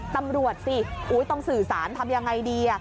ตำรวจสิต้องสื่อสารทำยังไงดี